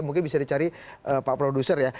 mungkin bisa dicari pak produser ya